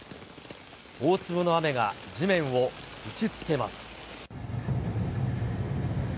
大粒の雨が地面を打ちつけます。